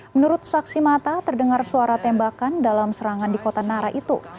menurut saksi mata terdengar suara tembakan dalam serangan di kota nara itu